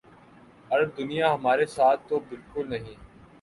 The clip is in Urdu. عرب دنیا ہمارے ساتھ تو بالکل نہیں۔